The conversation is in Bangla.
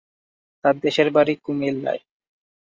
তার দেশের বাড়ি কুমিল্লায়।